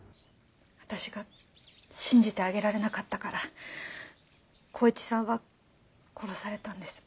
私が信じてあげられなかったから公一さんは殺されたんです。